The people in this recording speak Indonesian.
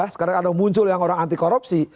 sekarang ada muncul yang orang anti korupsi